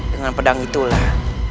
dengan pedang itulah